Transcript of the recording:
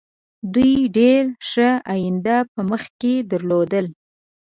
دوی ډېره ښه آینده په مخکې درلودله.